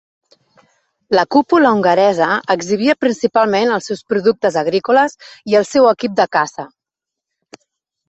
La cúpula hongaresa exhibia principalment els seus productes agrícoles i el seu equip de caça.